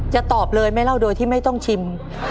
จะตอบเลยไม่เล่าโดยที่ไม่ต้องชิม